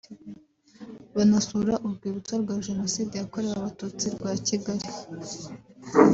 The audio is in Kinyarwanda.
banasura urwibutso rwa Jenoside yakorewe Abatutsi rwa Kigali